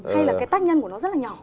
hay là cái tác nhân của nó rất là nhỏ